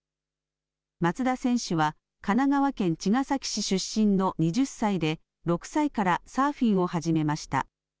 松田選手は神奈川県茅ヶ崎市出身の２０歳で６歳からサーフィンを始めました。